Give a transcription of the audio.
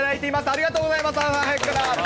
ありがとうございます。